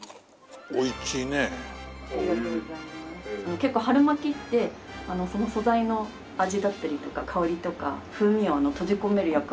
結構春巻きってその素材の味だったりとか香りとか風味を閉じ込める役割があるそうで。